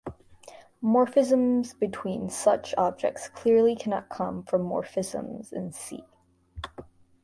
Morphisms between such objects clearly cannot come from morphisms in "C".